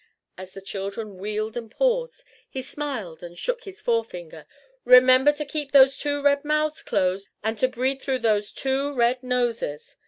As the children wheeled and paused, he smiled and shook his forefinger: "Remember to keep those two red mouths closed and to breathe through those two red noses!"